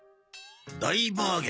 「大バーゲン」？